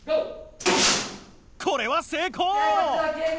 これは成功！